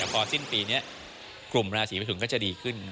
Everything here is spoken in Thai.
พอสิ้นปีนี้กลุ่มราศีไปถึงก็จะดีขึ้น